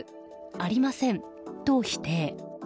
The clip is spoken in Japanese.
ありません、と否定。